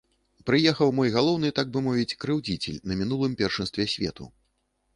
Прыехаў мой галоўны так бы мовіць крыўдзіцель на мінулым першынстве свету.